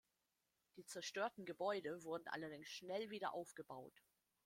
Die zerstörten Gebäude wurden allerdings schnell wieder aufgebaut.